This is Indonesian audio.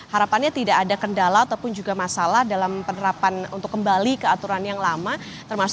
harapannya tidak ada kendala ataupun juga masalah dalam penerapan untuk kembali ke aturan yang lama